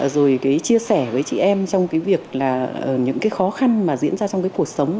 rồi chia sẻ với chị em trong những khó khăn mà diễn ra trong cuộc sống